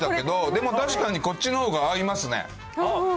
でも確かにこっちのほうが合いますね。